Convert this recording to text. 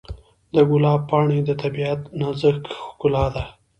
د ګلاب پاڼې د طبیعت نازک ښکلا ده.